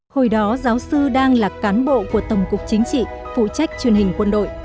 hồi đó giáo sư đang là cán bộ của tổng cục chính trị phụ trách truyền hình quân đội